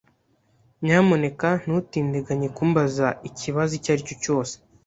Nyamuneka ntutindiganye kumbaza ikibazo icyo ari cyo cyose.